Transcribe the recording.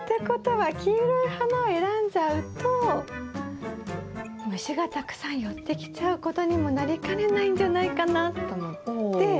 ことは黄色い花を選んじゃうと虫がたくさん寄ってきちゃうことにもなりかねないんじゃないかなと思って。